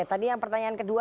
tadi yang pertanyaan kedua